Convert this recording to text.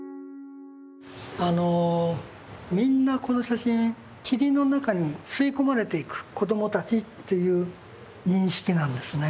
あのみんなこの写真霧の中に吸い込まれていく子どもたちという認識なんですね。